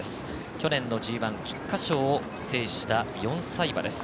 去年のＧＩ菊花賞を制した４歳馬です。